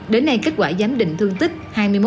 đến nay kết quả giám định thương tích hai mươi một